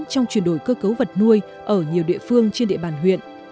trong chuyển đổi cơ cấu vật nuôi ở nhiều địa phương trên địa bàn huyện